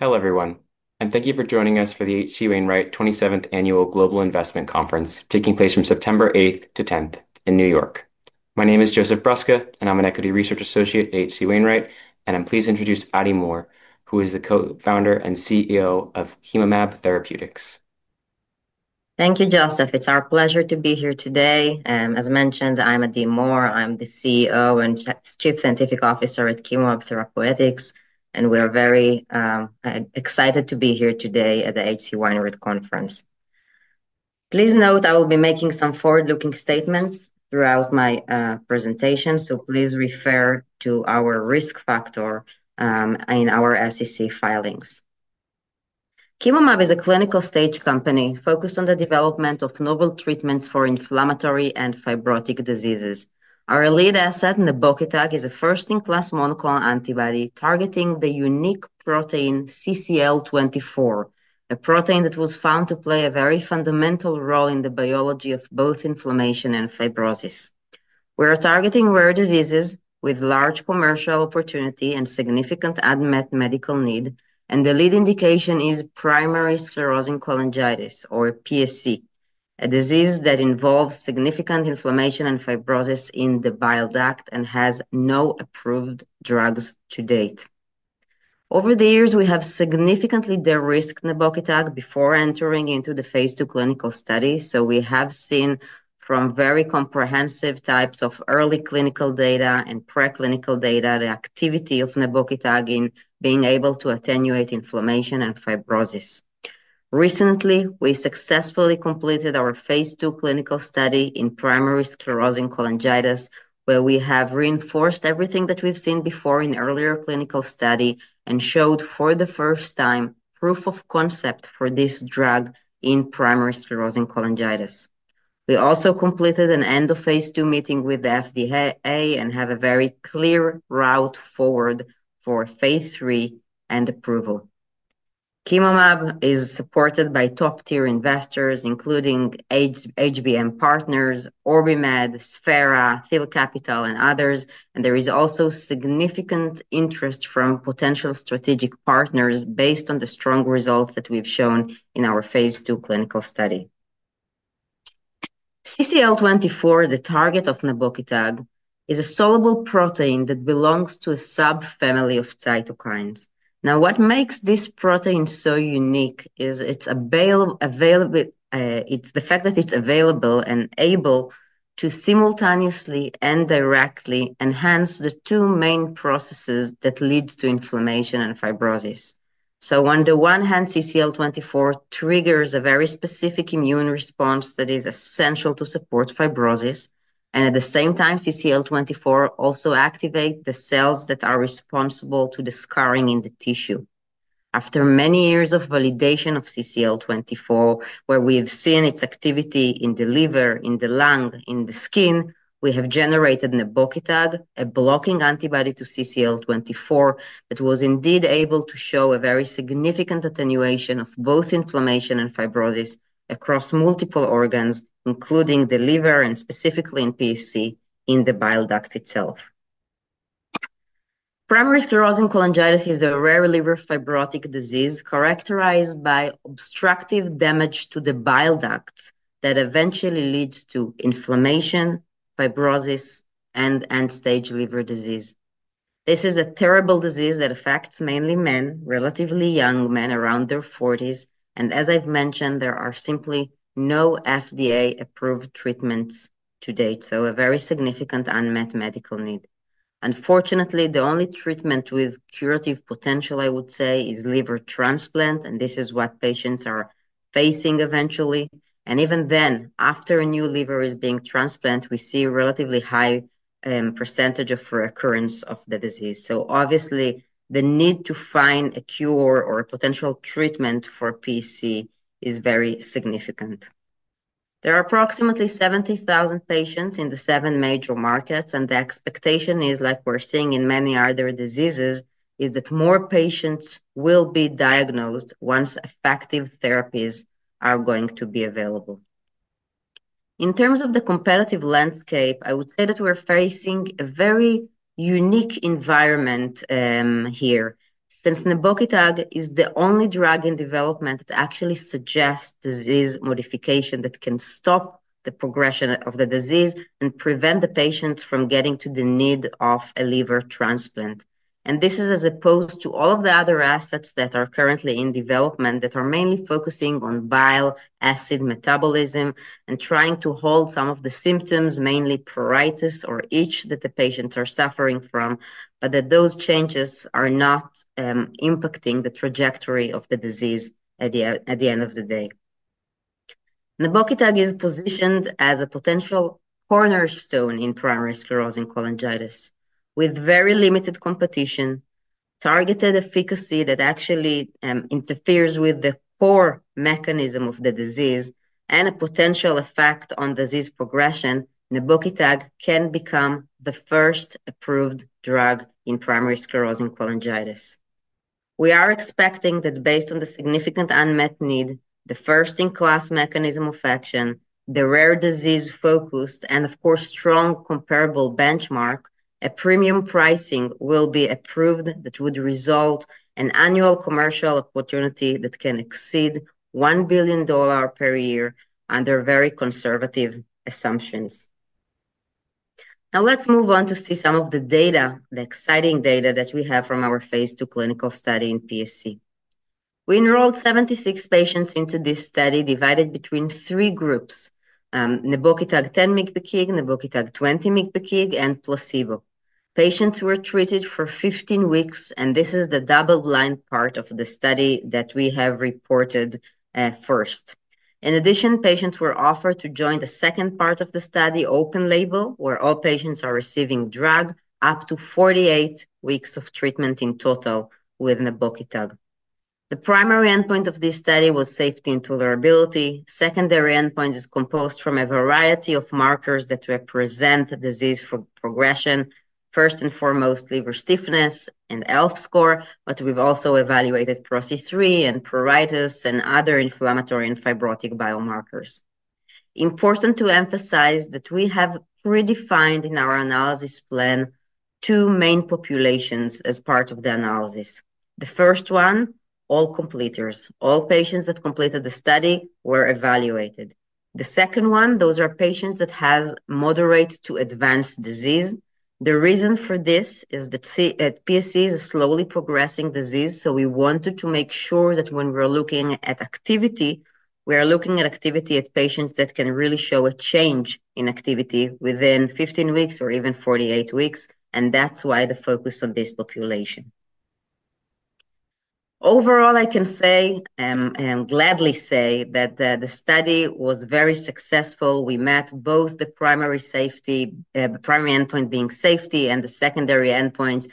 Hello everyone, and thank you for joining us for the H.C. Wainwright 27th Annual Global Investment Conference, taking place from September 8th- 10th in New York. My name is Joseph Brusca, and I'm an Equity Research Associate at H.C. Wainwright, and I'm pleased to introduce Adi Mor, who is the Co-founder and CEO of Chemomab Therapeutics. Thank you, Joseph. It's our pleasure to be here today. As mentioned, I'm Adi Mor. I'm the CEO and Chief Scientific Officer at Chemomab Therapeutics, and we are very excited to be here today at the H.C. Wainwright Conference. Please note I will be making some forward-looking statements throughout my presentation, so please refer to our risk factor in our SEC filings. Chemomab is a clinical-stage company focused on the development of novel treatments for inflammatory and fibrotic diseases. Our lead asset in the bucket is a first-in-class monoclonal antibody targeting the unique protein CCL24, a protein that was found to play a very fundamental role in the biology of both inflammation and fibrosis. We are targeting rare diseases with large commercial opportunity and significant unmet medical need, and the lead indication is primary sclerosing cholangitis, or PSC, a disease that involves significant inflammation and fibrosis in the bile duct and has no approved drugs to date. Over the years, we have significantly de-risked nebokitug before entering into the phase II clinical study, so we have seen from very comprehensive types of early clinical data and preclinical data the activity of nebokitug in being able to attenuate inflammation and fibrosis. Recently, we successfully completed our phase II clinical study in primary sclerosing cholangitis, where we have reinforced everything that we've seen before in earlier clinical studies and showed for the first time proof of concept for this drug in primary sclerosing cholangitis. We also completed an end of phase II meeting with the FDA and have a very clear route forward for phase III and approval. Chemomab is supported by top-tier investors, including HBM Partners, OrbiMed, Sphera, PhillipCapital, and others, and there is also significant interest from potential strategic partners based on the strong results that we've shown in our phase II clinical study. CCL24, the target of nebokitug, is a soluble protein that belongs to a subfamily of cytokines. What makes this protein so unique is the fact that it's available and able to simultaneously and directly enhance the two main processes that lead to inflammation and fibrosis. On the one hand, CCL24 triggers a very specific immune response that is essential to support fibrosis, and at the same time, CCL24 also activates the cells that are responsible for the scarring in the tissue. After many years of validation of CCL24, where we've seen its activity in the liver, in the lung, and in the skin, we have generated nebokitug, a blocking antibody to CCL24 that was indeed able to show a very significant attenuation of both inflammation and fibrosis across multiple organs, including the liver and specifically in PSC in the bile duct itself. Primary sclerosing cholangitis is a rare liver fibrotic disease characterized by obstructive damage to the bile ducts that eventually leads to inflammation, fibrosis, and end-stage liver disease. This is a terrible disease that affects mainly men, relatively young men around their 40s, and as I've mentioned, there are simply no FDA-approved treatments to date, so a very significant unmet medical need. Unfortunately, the only treatment with curative potential, I would say, is liver transplant, and this is what patients are facing eventually. Even then, after a new liver is being transplanted, we see a relatively high percentage of recurrence of the disease. Obviously, the need to find a cure or a potential treatment for PSC is very significant. There are approximately 70,000 patients in the seven major markets, and the expectation is, like we're seeing in many other diseases, that more patients will be diagnosed once effective therapies are going to be available. In terms of the competitive landscape, I would say that we're facing a very unique environment here since nebokitug is the only drug in development that actually suggests disease modification that can stop the progression of the disease and prevent the patient from getting to the need of a liver transplant. This is as opposed to all of the other assets that are currently in development that are mainly focusing on bile acid metabolism and trying to hold some of the symptoms, mainly pruritus or itch that the patients are suffering from, but those changes are not impacting the trajectory of the disease at the end of the day. Nebokitug is positioned as a potential cornerstone in primary sclerosing cholangitis with very limited competition, targeted efficacy that actually interferes with the core mechanism of the disease, and a potential effect on disease progression. Nebokitug can become the first approved drug in primary sclerosing cholangitis. We are expecting that based on the significant unmet need, the first-in-class mechanism of action, the rare disease focus, and of course, strong comparable benchmark, a premium pricing will be approved that would result in an annual commercial opportunity that can exceed $1 billion per year under very conservative assumptions. Now let's move on to see some of the data, the exciting data that we have from our phase II clinical study in primary sclerosing PSC. We enrolled 76 patients into this study divided between three groups: nebokitug 10 mg/kg, nebokitug 20 mg/kg, and placebo. Patients were treated for 15 weeks, and this is the double-blind part of the study that we have reported first. In addition, patients were offered to join the second part of the study, open-label, where all patients are receiving drug up to 48 weeks of treatment in total with nebokitug. The primary endpoint of this study was safety and tolerability. The secondary endpoint is composed from a variety of markers that represent disease progression, first and foremost, liver stiffness and ELF score, but we've also evaluated PRO-C3 and pruritus and other inflammatory and fibrotic biomarkers. Important to emphasize that we have predefined in our analysis plan two main populations as part of the analysis. The first one, all completers, all patients that completed the study were evaluated. The second one, those are patients that have moderate to advanced disease. The reason for this is that PSC is a slowly progressing disease, so we wanted to make sure that when we're looking at activity, we are looking at activity at patients that can really show a change in activity within 15 weeks or even 48 weeks, and that's why the focus on this population. Overall, I can say, and I'm glad to say that the study was very successful. We met both the primary safety, the primary endpoint being safety, and the secondary endpoints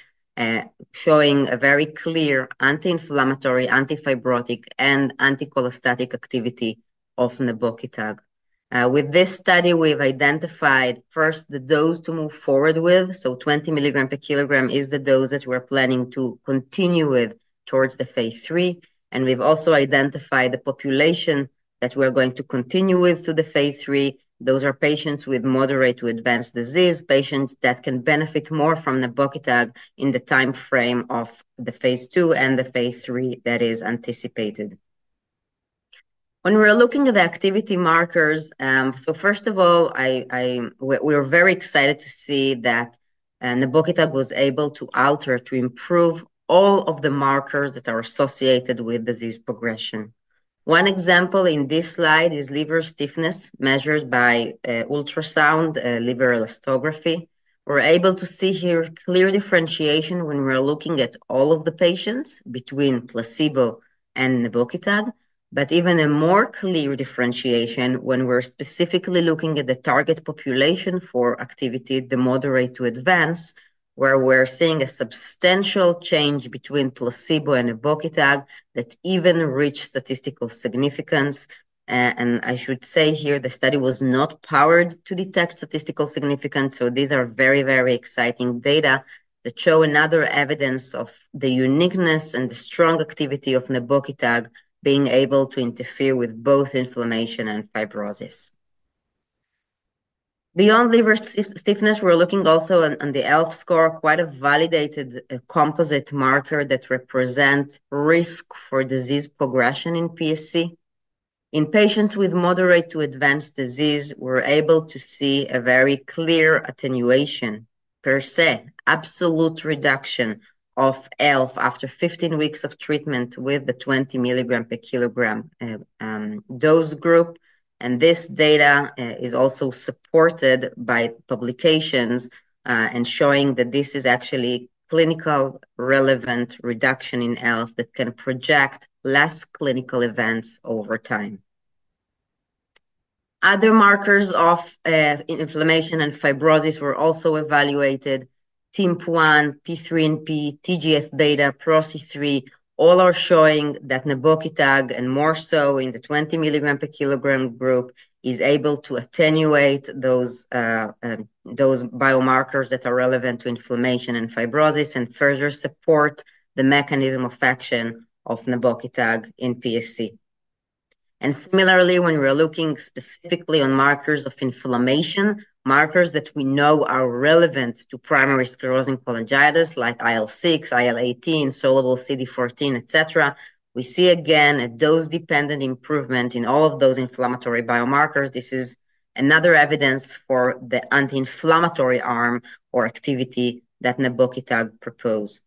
showing a very clear anti-inflammatory, anti-fibrotic, and anti-cholestatic activity of nebokitug. With this study, we've identified first the dose to move forward with, so 20 mg/kg is the dose that we're planning to continue with towards the phase III, and we've also identified the population that we're going to continue with through the phase III. Those are patients with moderate to advanced disease, patients that can benefit more from nebokitug in the timeframe of the phase II and the phase III that is anticipated. When we're looking at the activity markers, first of all, we're very excited to see that nebokitug was able to alter, to improve all of the markers that are associated with disease progression. One example in this slide is liver stiffness measured by ultrasound liver elastography. We're able to see here clear differentiation when we're looking at all of the patients between placebo and nebokitug, but even a more clear differentiation when we're specifically looking at the target population for activity, the moderate to advanced, where we're seeing a substantial change between placebo and nebokitug that even reached statistical significance. I should say here, the study was not powered to detect statistical significance, so these are very, very exciting data that show another evidence of the uniqueness and the strong activity of nebokitug being able to interfere with both inflammation and fibrosis. Beyond liver stiffness, we're looking also on the ELF score, quite a validated composite marker that represents risk for disease progression in PSC. In patients with moderate to advanced disease, we're able to see a very clear attenuation, per se, absolute reduction of ELF after 15 weeks of treatment with the 20 mg/kg dose group. This data is also supported by publications and showing that this is actually clinically relevant reduction in ELF that can project less clinical events over time. Other markers of inflammation and fibrosis were also evaluated: TIMP1, PIIINP, TGF-β, PRO-C3. All are showing that nebokitug, and more so in the 20 mg/kg group, is able to attenuate those biomarkers that are relevant to inflammation and fibrosis and further support the mechanism of action of nebokitug in PSC. Similarly, when we're looking specifically on markers of inflammation, markers that we know are relevant to primary sclerosing cholangitis like IL-6, IL-18, soluble CD14, et cetera, we see again a dose-dependent improvement in all of those inflammatory biomarkers. This is another evidence for the anti-inflammatory arm or activity that nebokitug proposes.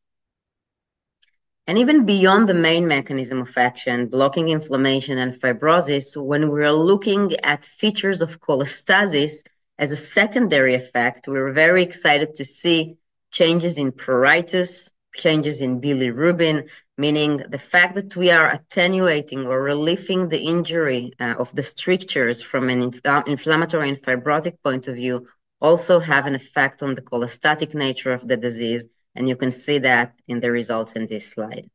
Even beyond the main mechanism of action, blocking inflammation and fibrosis, when we're looking at features of cholestasis as a secondary effect, we're very excited to see changes in pruritus, changes in bilirubin, meaning the fact that we are attenuating or relieving the injury of the strictures from an inflammatory and fibrotic point of view also has an effect on the cholestatic nature of the disease, and you can see that in the results in this slide.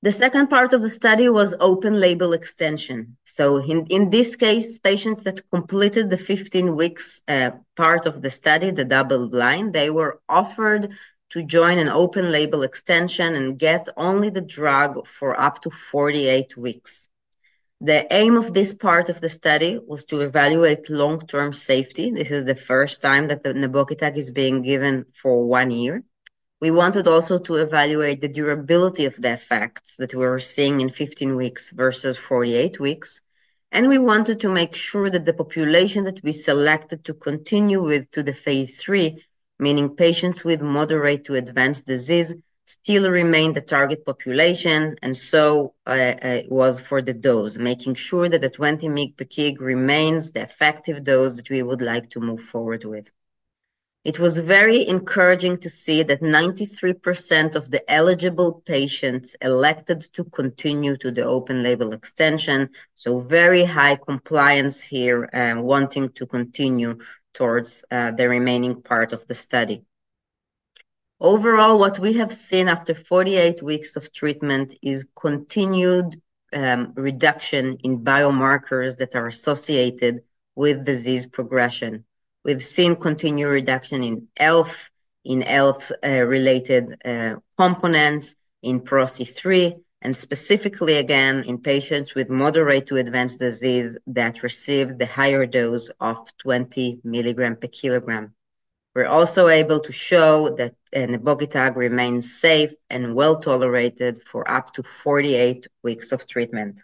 The second part of the study was open-label extension. In this case, patients that completed the 15 weeks part of the study, the double-blind, were offered to join an open-label extension and get only the drug for up to 48 weeks. The aim of this part of the study was to evaluate long-term safety. This is the first time that nebokitug is being given for one year. We wanted also to evaluate the durability of the effects that we were seeing in 15 weeks versus 48 weeks, and we wanted to make sure that the population that we selected to continue through the phase III, meaning patients with moderate to advanced disease, still remained the target population, and it was for the dose, making sure that the 20 mg/kg remains the effective dose that we would like to move forward with. It was very encouraging to see that 93% of the eligible patients elected to continue through the open-label extension, so very high compliance here wanting to continue towards the remaining part of the study. Overall, what we have seen after 48 weeks of treatment is continued reduction in biomarkers that are associated with disease progression. We've seen continued reduction in ELF, in ELF-related components, in PRO-C3, and specifically again in patients with moderate to advanced disease that received the higher dose of 20 mg/kg. We're also able to show that nebokitug remains safe and well tolerated for up to 48 weeks of treatment.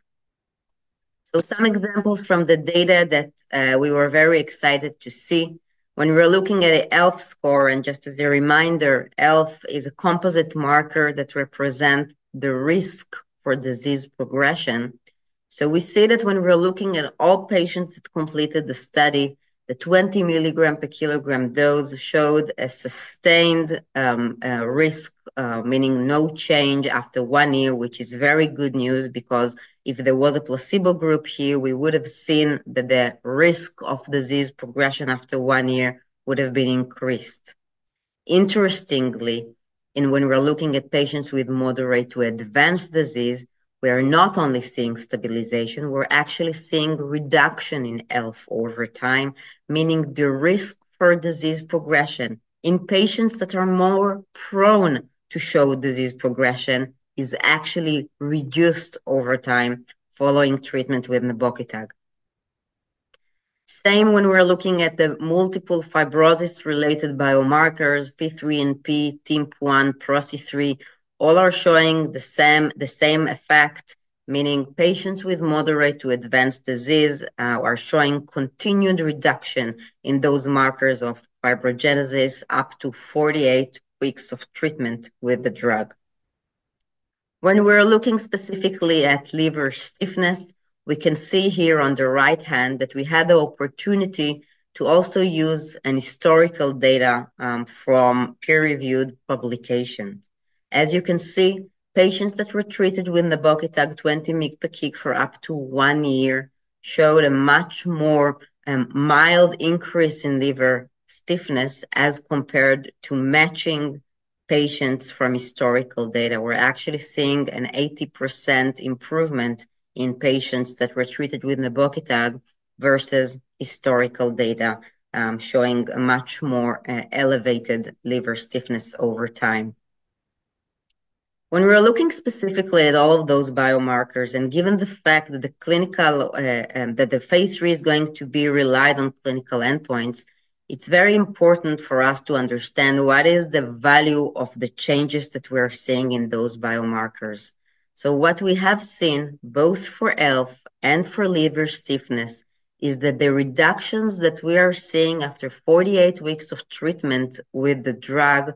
Some examples from the data that we were very excited to see: when we're looking at the ELF score, and just as a reminder, ELF is a composite marker that represents the risk for disease progression. We see that when we're looking at all patients that completed the study, the 20 mg/kg dose showed a sustained risk, meaning no change after one year, which is very good news because if there was a placebo group here, we would have seen that the risk of disease progression after one year would have been increased. Interestingly, when we're looking at patients with moderate to advanced disease, we are not only seeing stabilization, we're actually seeing reduction in ELF over time, meaning the risk for disease progression in patients that are more prone to show disease progression is actually reduced over time following treatment with nebokitug. Same when we're looking at the multiple fibrosis-related biomarkers: PIIINP, TIMP1, PRO-C3. All are showing the same effect, meaning patients with moderate to advanced disease are showing continued reduction in those markers of fibrogenesis up to 48 weeks of treatment with the drug. When we're looking specifically at liver stiffness, we can see here on the right hand that we had the opportunity to also use historical data from peer-reviewed publications. As you can see, patients that were treated with nebokitug 20 mg/kg for up to one year showed a much more mild increase in liver stiffness as compared to matching patients from historical data. We're actually seeing an 80% improvement in patients that were treated with nebokitug versus historical data showing much more elevated liver stiffness over time. When we're looking specifically at all of those biomarkers, and given the fact that the phase III is going to be relied on clinical endpoints, it's very important for us to understand what is the value of the changes that we are seeing in those biomarkers. What we have seen both for ELF and for liver stiffness is that the reductions that we are seeing after 48 weeks of treatment with the drug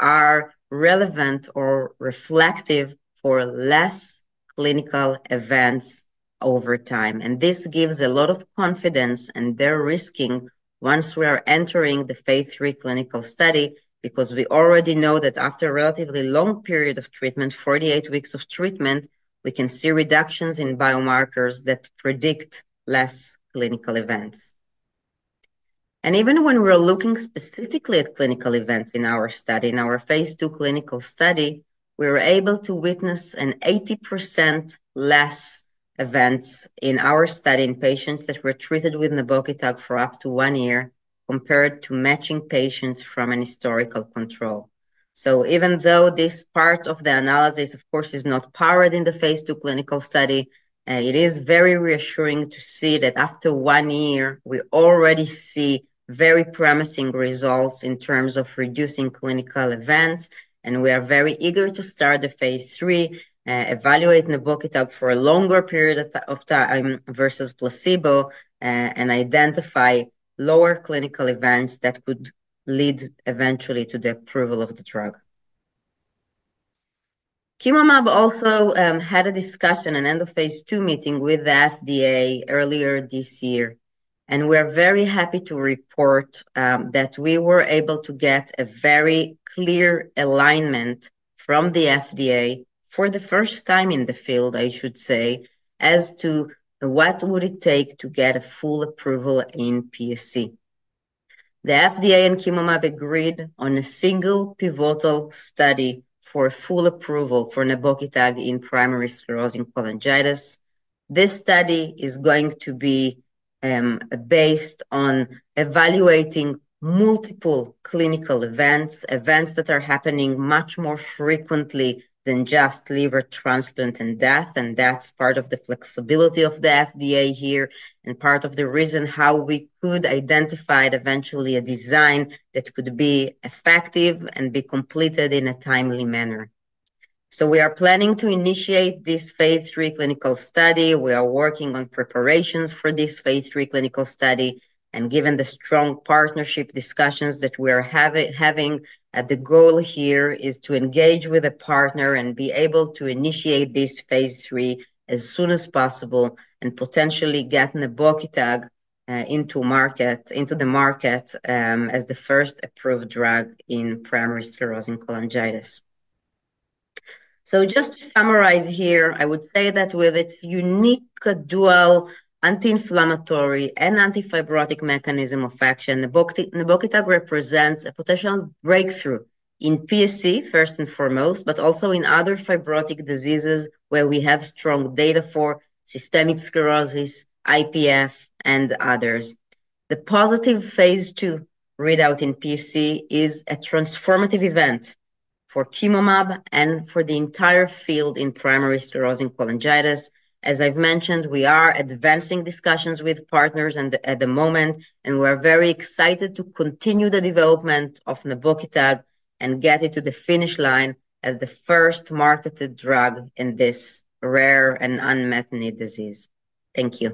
are relevant or reflective for less clinical events over time. This gives a lot of confidence and de-risking once we are entering the phase III clinical study because we already know that after a relatively long period of treatment, 48 weeks of treatment, we can see reductions in biomarkers that predict less clinical events. Even when we're looking specifically at clinical events in our study, in our phase II clinical study, we were able to witness an 80% less events in our study in patients that were treated with nebokitug for up to one year compared to matching patients from an historical control. Even though this part of the analysis, of course, is not powered in the phase II clinical study, it is very reassuring to see that after one year we already see very promising results in terms of reducing clinical events. We are very eager to start the phase III, evaluate nebokitug for a longer period of time versus placebo, and identify lower clinical events that could lead eventually to the approval of the drug. Chemomab also had a discussion, an end of phase II meeting with the FDA earlier this year, and we are very happy to report that we were able to get a very clear alignment from the FDA for the first time in the field, I should say, as to what would it take to get a full approval in PSC. The FDA and Chemomab agreed on a single pivotal study for full approval for nebokitug in primary sclerosing cholangitis. This study is going to be based on evaluating multiple clinical events, events that are happening much more frequently than just liver transplant and death, and that is part of the flexibility of the FDA here and part of the reason how we could identify eventually a design that could be effective and be completed in a timely manner. We are planning to initiate this phase III clinical study. We are working on preparations for this phase III clinical study, and given the strong partnership discussions that we are having, the goal here is to engage with a partner and be able to initiate this phase III as soon as possible and potentially get nebokitug into the market as the first approved drug in primary sclerosing cholangitis. Just to summarize here, I would say that with its unique dual anti-inflammatory and anti-fibrotic mechanism of action, nebokitug represents a potential breakthrough in PSC, first and foremost, but also in other fibrotic diseases where we have strong data for systemic sclerosis, IPF, and others. The positive phase II readout in PSC is a transformative event for Chemomab and for the entire field in primary sclerosing cholangitis. As I've mentioned, we are advancing discussions with partners at the moment, and we're very excited to continue the development of nebokitug and get it to the finish line as the first marketed drug in this rare and unmet need disease. Thank you.